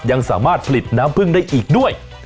ยังสามารถผลิตน้ำพึ่งได้อีกด้วย